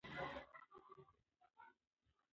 کله چې ښځې واورېدل شي، ناسمې پرېکړې نه تکرارېږي.